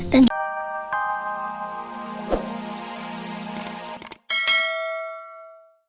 dan jika tidak